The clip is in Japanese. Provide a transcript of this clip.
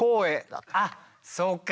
あっそうか！